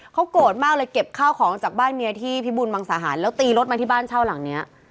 เขาโกรธมากเลยเก็บข้าวของจากบ้านเมียที่พิบูรมังสาหารแล้วตีรถมาที่บ้านเช่าหลังเนี้ย